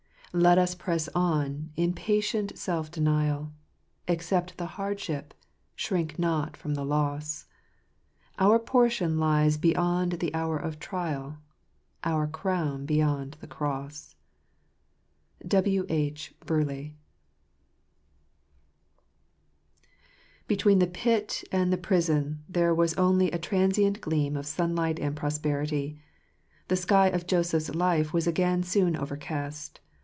Let us press on, in patient self denial. Accept the hardship, shrink not from the loss : Our portion lies beyond the hour of trial, Our crown beyond the cross. " W. H. Burleigh, ETWEEN the pit and the prison there was only a transient gleam of sunlight and prosperity. The sky of Joseph's life was again soon overcast.